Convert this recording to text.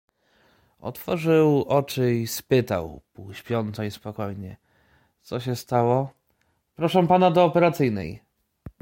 otworzył oczy i spytał półśpiąco i spokojnie: — Co się stało? — Proszą pana do operacyjnej.